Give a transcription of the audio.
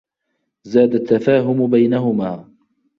زاد التّفاهم بينهما.